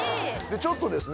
ちょっとですね